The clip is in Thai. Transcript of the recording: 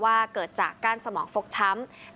คือที่พระเกียจพี่แจ๊บ